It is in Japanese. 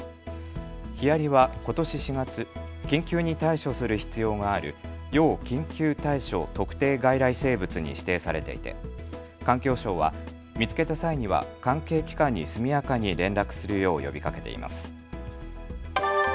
ヒアリはことし４月、緊急に対処する必要がある要緊急対処特定外来生物に指定されていて環境省は見つけた際には関係機関に速やかに連絡するよう呼びかけています。